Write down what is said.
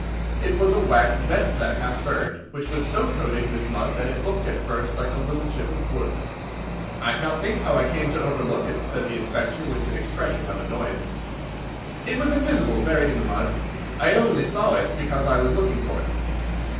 It was a wax vesta half burned, which was so coated with mud that it looked at first like a little chip of wood. "I cannot think how I came to overlook it," said the Inspector, with an expression of annoyance. "It was invisible, buried in the mud. I only saw it because I was looking for it."